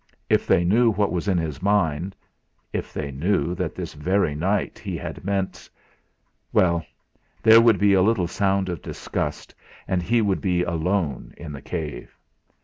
If they knew what was in his mind if they knew that this very night he had meant! Well, there would be a little sound of disgust, and he would be alone in the cave.